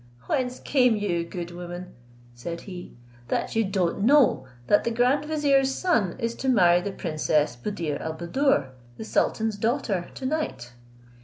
Whence came you, good woman," said he, "that you don't know that the grand vizier's son is to marry the princess Buddir al Buddoor, the sultan's daughter, to night?